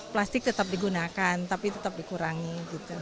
plastik tetap digunakan tapi tetap dikurangi gitu